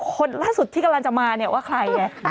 คนล่าสุดที่กำลังจะมาเนี่ยว่าใครไง